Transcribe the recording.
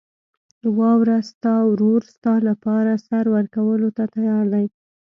واوره، ستا ورور ستا لپاره سر ورکولو ته تیار دی.